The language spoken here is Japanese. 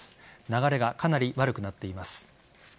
流れがかなり悪くなっています。